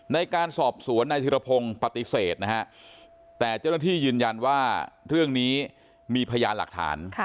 ในการสอบสวนนายธิรพงศ์ปฏิเสธนะฮะแต่เจ้าหน้าที่ยืนยันว่าเรื่องนี้มีพยานหลักฐาน